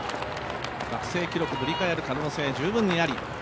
学生記録塗り替える可能性、十分にあり。